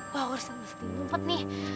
wah urusan mesti numpet nih